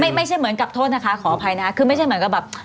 ไม่ใช่เหมือนกับโทษนะคะขออภัยนะคะคือไม่ใช่เหมือนกับแบบ